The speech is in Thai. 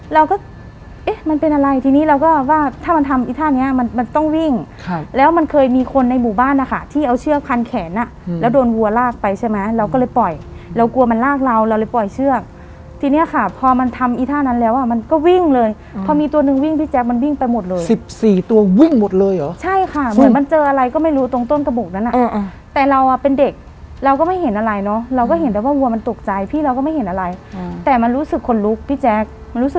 เราก็เอ๊ะมันเป็นอะไรทีนี้เราก็ว่าถ้ามันทำอีท่านี้มันต้องวิ่งแล้วมันเคยมีคนในหมู่บ้านอะค่ะที่เอาเชือกคันแขนอะแล้วโดนวัวลากไปใช่ไหมเราก็เลยปล่อยแล้วกลัวมันลากเราเราเลยปล่อยเชือกทีนี้ค่ะพอมันทำอีท่านั้นแล้วอะมันก็วิ่งเลยพอมีตัวนึงวิ่งพี่แจ๊กมันวิ่งไปหมดเลย๑๔ตัววิ่งหมดเลยหรอใช่ค่ะเหมือนมันเ